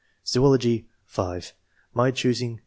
Zoology. — (5) My choosing